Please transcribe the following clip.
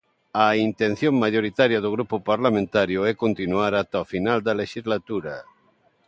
A intención maioritaria do grupo parlamentario é continuar ata o final da lexislatura.